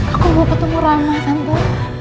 aku mau ketemu rama santai